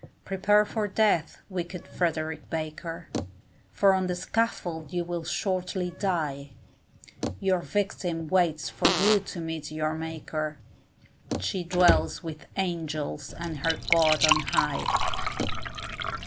Prepare for death, wicked Frederick Baker, For on the scaffold you will shortly die, Your victim waits for you to meet your Maker, She dwells with Angels and her God on high.